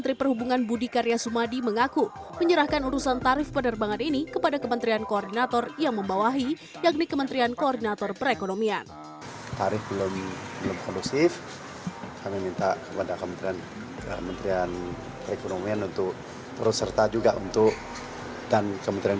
tarif belum kondusif kami minta kepada kementerian ekonomi untuk terus serta juga untuk dan kementerian